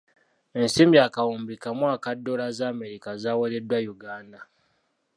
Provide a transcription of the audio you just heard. Ensimbi akawumbi kamu aka ddoola z'Amerika zaawoleddwa Uganda.